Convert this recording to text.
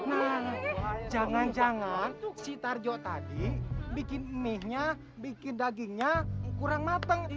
nah jangan jangan si tarjo tadi bikin mie nya bikin dagingnya kurang matang